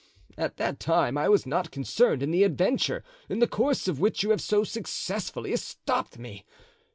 At that time I was not concerned in the adventure, in the course of which you have so successfully estopped me!